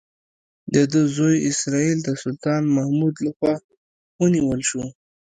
د ده زوی اسراییل د سلطان محمود لخوا ونیول شو.